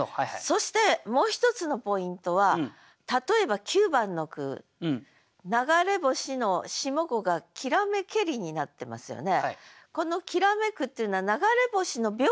そしてもう一つのポイントは例えば９番の句「流れ星」の下五が「煌めけり」になってますよね。